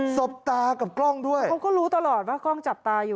บตากับกล้องด้วยเขาก็รู้ตลอดว่ากล้องจับตาอยู่